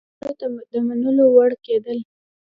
نورو ته د منلو وړ کېدل